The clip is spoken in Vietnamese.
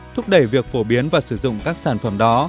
thúc đẩy việc phổ biến và sử dụng các sản phẩm đó